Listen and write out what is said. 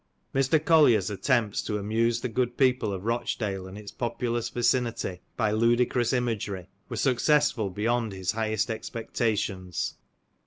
Mr. Collier's attempts to amuse the good people of Rochdale and its populous vicinity, by ludicrous imagery, were successful beyond his highest expectations.